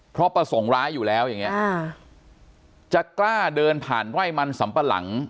เพราะประสงค์ร้ายอยู่แล้วอย่างเงี้จะกล้าเดินผ่านไร่มันสำปะหลัง